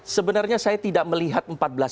sebenarnya saya tidak melihat empat belas